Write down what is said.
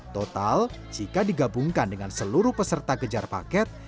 total jika digabungkan dengan seluruh peserta kejar paket